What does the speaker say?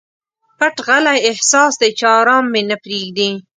پټ غلی احساس دی چې ارام مي نه پریږدي.